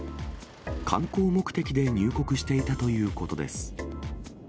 観光目的で入国していたということです。